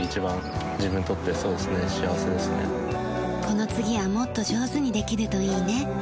この次はもっと上手にできるといいね。